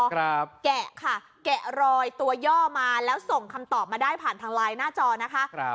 แกะค่ะแกะรอยตัวย่อมาแล้วส่งคำตอบมาได้ผ่านทางไลน์หน้าจอนะคะครับ